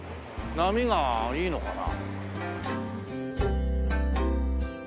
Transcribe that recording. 波がいいのかな？